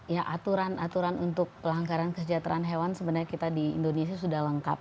ya aturan aturan untuk pelanggaran kesejahteraan hewan sebenarnya kita di indonesia sudah lengkap